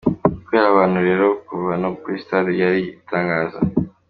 Kubera abantu rero kuva no kuri Stade byari igitangaza.